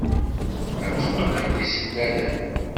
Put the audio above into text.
Ad teqqlem d iselmaden.